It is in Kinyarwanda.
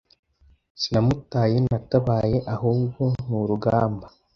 sinamutaye natabaye ahubwo n’urugamba